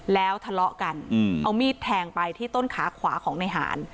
แล้วทะเลาะกันเอามีดแทงไปที่ต้นขาขวาของในหาร